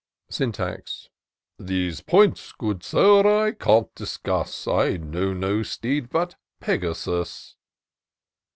Syntax. " These points, good Sir, I can't discuss : I know no steed but Pegasus."